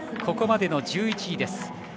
ここまでの１１位です。